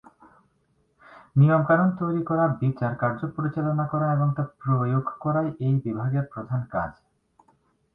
নিয়ম-কানুন তৈরি করা, বিচার কার্য পরিচালনা করা এবং তা প্রয়োগ করাই এই বিভাগের প্রধান কাজ।